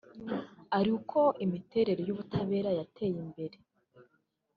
ari uko imikorere y’ubutabera yateye imbere